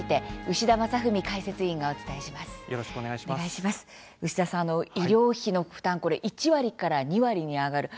牛田さん、医療費の負担１割から２割に上がる。